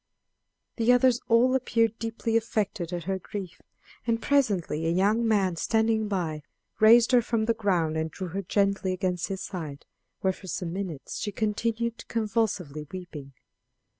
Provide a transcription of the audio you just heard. The others all appeared deeply affected at her grief, and presently a young man standing by raised her from the ground and drew her gently against his side, where for some minutes she continued convulsively weeping.